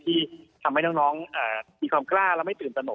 ที่ทำให้น้องมีความกล้าและไม่ตื่นตนก